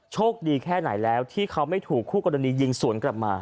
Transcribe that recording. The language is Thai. โชคดีแค่ไหนแล้วที่เขาไม่ถูกคู่กรณียิงสวนกลับมา